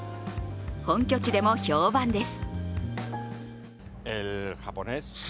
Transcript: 本拠地でも評判です。